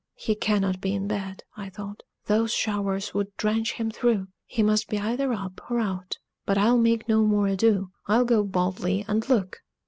"He cannot be in bed," I thought: "those showers would drench him through! He must be either up or out. But I'll make no more ado; I'll go boldly, and look!"